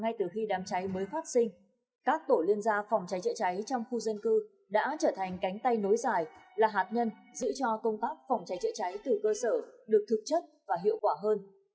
ngay từ khi đám cháy mới phát sinh các tổ liên gia phòng cháy chữa cháy trong khu dân cư đã trở thành cánh tay nối dài là hạt nhân giữ cho công tác phòng cháy chữa cháy từ cơ sở được thực chất và hiệu quả hơn